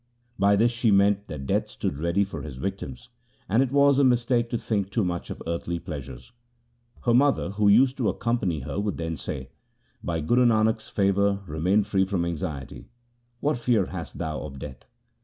By this she meant that Death stood ready for his victims, and it was a mistake to think too much of earthly pleasures. Her mother, who used to ac company her, would then say, 'By Guru Nanak' s favour remain free from anxiety. What fear hast thou of Death?